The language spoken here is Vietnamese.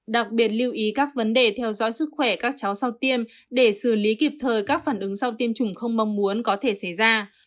đặc biệt lưu ý các vấn đề theo dõi sức khỏe các cháu sau tiêm để xử lý kịp thời các phản ứng sau tiêm chủng không mong muốn có thể xảy ra